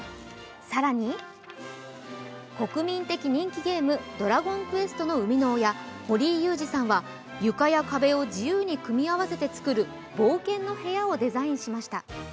更に国民的人気ゲーム「ドラゴンクエスト」の生みの親、堀井雄二さんは床や壁を自由に組み合わせてつくる「ぼうけんのへや」をデザインしました。